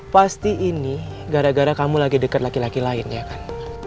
pasti ini gara gara kamu lagi deket laki laki lain ya kan